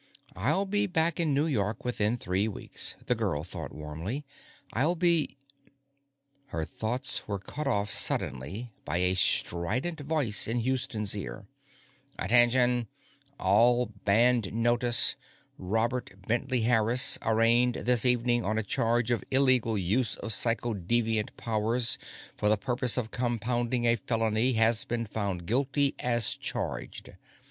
_ I'll be back in New York within three weeks, the girl thought warmly. _I'll be _ Her thoughts were cut off suddenly by a strident voice in Houston's ear. "Attention; all band notice. Robert Bentley Harris, arraigned this evening on a charge of illegal use of psychodeviant powers for the purpose of compounding a felony, has been found guilty as charged.